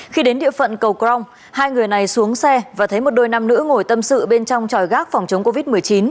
khi đến địa phận cầu crong hai người này xuống xe và thấy một đôi nam nữ ngồi tâm sự bên trong tròi gác phòng chống covid một mươi chín